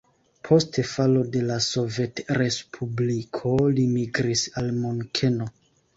Post falo de la Sovetrespubliko li migris al Munkeno.